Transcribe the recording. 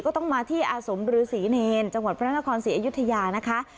ก็ต้องมาที่อาสมฤษีเนรจังหวัดพระนครศรีอยุธยานะคะ